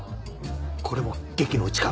これも劇のうちか？